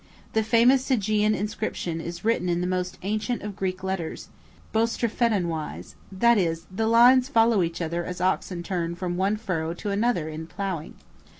The famous Sigean inscription is written in the most ancient of Greek letters, boustrophedon wise; that is, the lines follow each other as oxen turn from one furrow to another in ploughing.